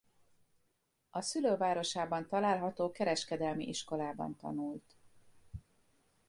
A szülővárosában található kereskedelmi iskolában tanult.